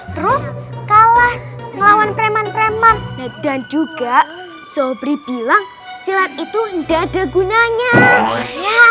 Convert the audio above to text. terus kalah ngelawan preman preman dan juga solbri bilang silat itu ndak ada gunanya ya